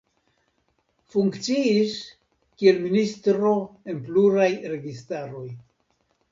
Funkciis kiel ministro en pluraj registaroj.